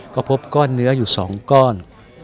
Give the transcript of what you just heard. ก็พบก้อนเนื้ออยู่๒ก้อน